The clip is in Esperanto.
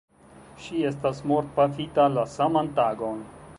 Ŝi estas mortpafita la saman tagon.